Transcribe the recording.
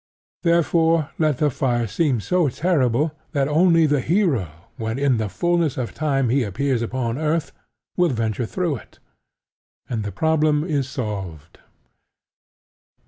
Therefore let the fire seem so terrible that only the hero, when in the fulness of time he appears upon earth, will venture through it; and the problem is solved.